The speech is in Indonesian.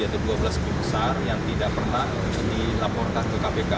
ada dua belas tim besar yang tidak pernah dilaporkan ke kpk